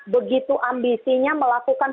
begitu ambisinya melakukan